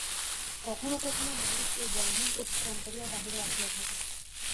কখনও কখনও মানুষ এই বন্ধন অতিক্রম করিয়া বাহিরে আসিয়া থাকে।